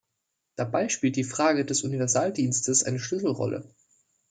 Dabei spielt die Frage des Universaldienstes eine Schlüsselrolle.